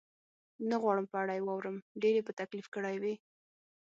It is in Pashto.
نه غواړم په اړه یې واورم، ډېر یې په تکلیف کړی وې؟